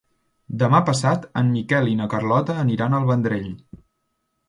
Demà passat en Miquel i na Carlota aniran al Vendrell.